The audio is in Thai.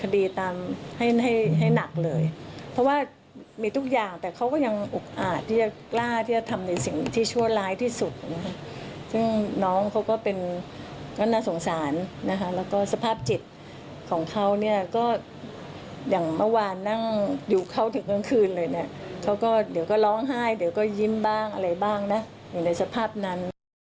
เดี๋ยวก็ยิ้มบ้างอะไรบ้างนะอย่างในสภาพนั้น